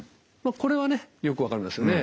これはねよく分かりますよね。